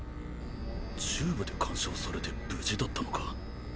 チューブで緩衝されて無事だったのか。